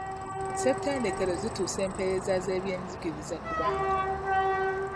Ssettendekero zituusa empeereza z'eby'enjigiriza ku bantu.